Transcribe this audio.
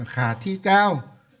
khả thi cao